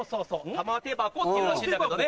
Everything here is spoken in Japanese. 玉手箱っていうらしいんだけどね。